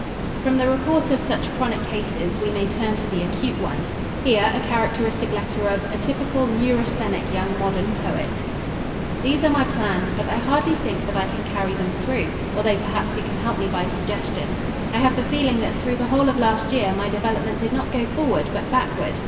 From the report of such chronic cases we may turn to the acute ones. Here a characteristic letter of, a typical neurasthenic young modern poet. "These are my plans but I hardly think that I can carry them through, although perhaps you can help me by suggestion. I have the feeling that through the whole of last year my development did not go forward but backward.